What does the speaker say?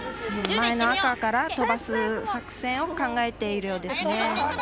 手前の赤から飛ばす作戦を考えているようですね。